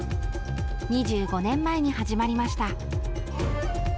２５年前に始まりました。